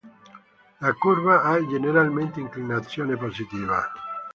La curva ha generalmente inclinazione positiva.